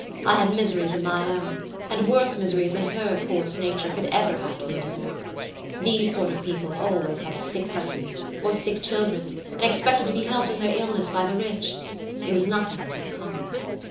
I had miseries of my own, and worse miseries than her coarse nature could ever have to endure. These sort of people always had sick husbands or sick children, and expected to be helped in their illness by the rich. It was nothing out of the common.